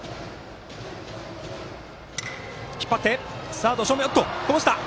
サード正面、こぼした！